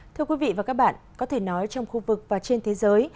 thưa quý vị và các bạn có thể nói trong khu vực và trên thế giới